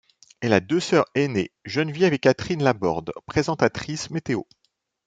Elle a deux sœurs aînées, Geneviève et Catherine Laborde, présentatrice météo.